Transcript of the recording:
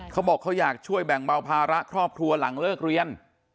เขาบอกเขาอยากช่วยแบ่งเบาภาระครอบครัวหลังเลิกเรียน